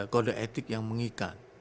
kode etik yang mengikat